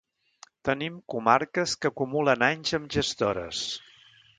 Tenim comarques que acumulen anys amb gestores.